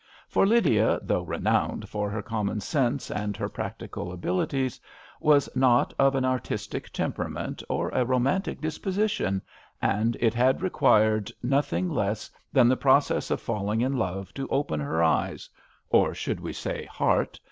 For Lydia, though renowned for her common sense and her practical abilities, was not of an artistic temperament or a romantic disposition, and it had required nothing less than the process of falling in love to ocen her eyes — or should we A RAINY DAY. 137 say heart